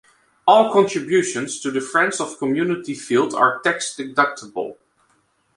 All contributions to the Friends of Community Field are tax deductible.